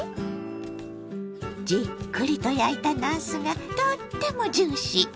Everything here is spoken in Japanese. じっくりと焼いたなすがとってもジューシー。